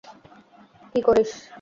কী করিস?